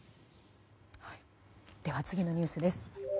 では次のニュースです。